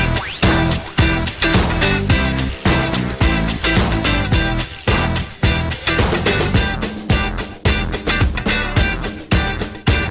โปรดติดตามตอนต่อไป